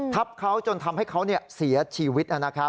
ทับเขาจนทำให้เขาเสียชีวิต